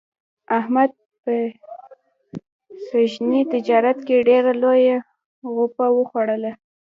احمد په سږني تجارت کې ډېره لویه غوپه و خوړله.